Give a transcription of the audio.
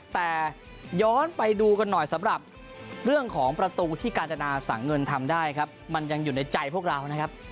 แต่ย้อนไปดูกันหน่อยสำหรับเรื่องของประตูที่กาญจนาสั่งเงินทำได้ครับมันยังอยู่ในใจพวกเรานะครับ